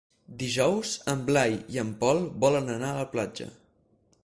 Dijous en Blai i en Pol volen anar a la platja.